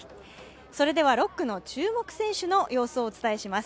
６区の注目選手の様子をお伝えします。